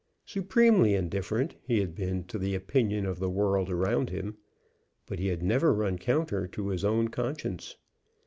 Supremely indifferent he had been to the opinion of the world around him, but he had never run counter to his own conscience.